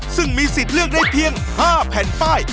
ซึ่งมีสิทธิ์เลือกได้เพียง๕แผ่นป้าย